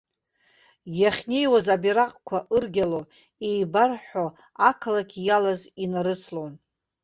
Иахьнеиуаз абираҟқәа ыргьало, еибарҳәҳәо ақалақь иалаз инарыцлон.